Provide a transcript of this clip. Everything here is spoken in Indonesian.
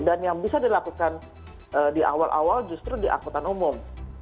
dan yang bisa dilakukan di awal awal justru di akutan umum